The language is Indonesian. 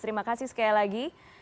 terima kasih sekali lagi